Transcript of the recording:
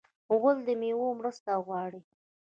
غول د میوو مرسته غواړي.